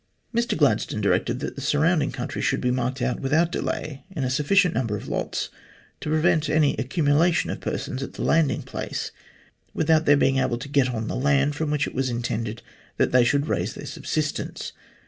Mr Gladstone directed that the surrounding country should be marked out without delay into a sufficient number of lots, to prevent any accumulation of persons at the landing place without their being able to get on the land from which it was intended that they should raise their subsistence.